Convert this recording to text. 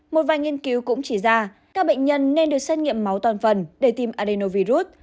một vài nghiên cứu cũng chỉ ra các bệnh nhân nên được xét nghiệm máu toàn phần để tiêm adenovirus